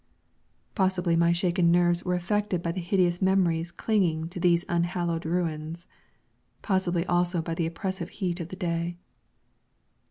Possibly my shaken nerves were affected by the hideous memories clinging to these unhallowed ruins; possibly also by the oppressive heat of the day.